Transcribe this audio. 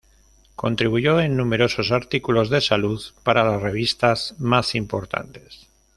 Contribuyó en numerosos artículos de salud para las revistas más importantes.